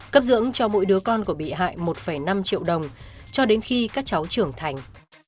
cấp dưỡng cho mỗi đứa con của bị hại một năm triệu đồng cho đến khi các cháu trưởng thành